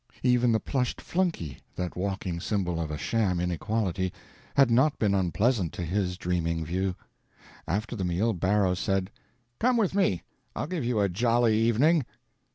Even the plushed flunkey, that walking symbol of a sham inequality, had not been unpleasant to his dreaming view. After the meal Barrow said, "Come with me. I'll give you a jolly evening."